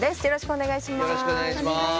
よろしくお願いします。